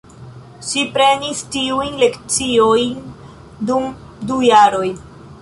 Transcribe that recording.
Ŝi prenis tiujn lecionojn dum du jaroj.